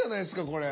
これ。